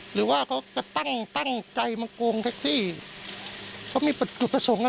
หรือว่าเขาจะตั้งตั้งใจมาโกงแท็กซี่เขามีจุดประสงค์อะไร